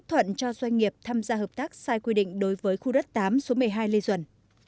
tham gia hợp tác sai quy định đối với khu đất tám số một mươi hai lê duẩn